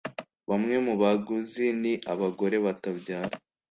bamwe mu baguzi ni "abagore batabyara,